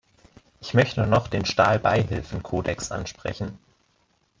Ich möchte noch den Stahlbeihilfenkodex ansprechen.